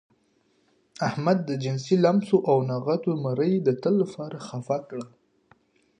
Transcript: احمد د جنسي لمسو او نغوتو مرۍ د تل لپاره خپه کړه.